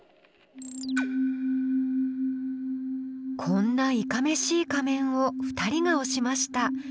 こんないかめしい仮面を２人が推しました。